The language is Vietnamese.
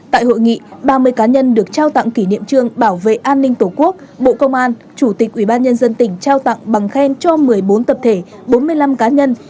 tại hội nghị ba mươi cá nhân được trao tặng kỷ niệm trường bảo vệ an ninh tổ quốc bộ công an chủ tịch ubnd tỉnh trao tặng bằng khen cho một mươi bốn tập thể bốn mươi năm cá nhân